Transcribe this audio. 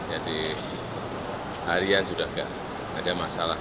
jadi harian sudah enggak ada masalah